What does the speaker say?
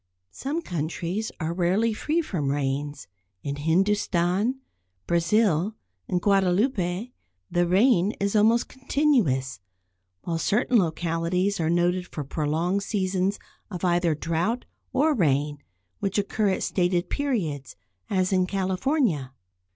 Some countries are rarely free from rains; in Hindustan, Brazil and Guadeloupe the rain is almost continuous, while certain localities are noted for prolonged seasons of either drought or rain, which occur at stated periods, as in California.